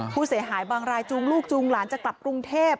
ผู้เสียหายบางรายจูงลูกจูงหลานจะกลับกรุงเทพ